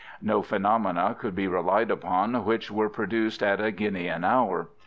No phenomena could be relied upon which were produced at a guinea an hour.